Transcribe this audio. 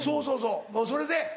そうそうそれで？